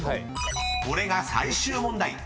［これが最終問題］